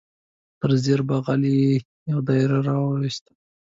تر زیر بغل یې یو دایره را وایسته.